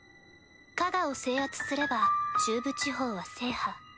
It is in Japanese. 加賀を制圧すれば中部地方は制覇。